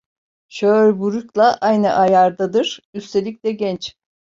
Sauerbruch'la aynı ayardadır. Üstelik de genç.